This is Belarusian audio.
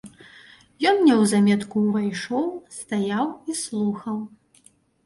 Ён неўзаметку ўвайшоў, стаяў і слухаў.